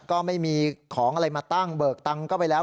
ก็ไม่มีของอะไรมาตั้งเบิกตังค์ก็ไปแล้ว